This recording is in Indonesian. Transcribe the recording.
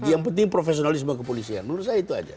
yang penting profesionalisme kepolisian menurut saya itu aja